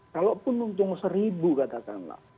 kalaupun untung seribu katakanlah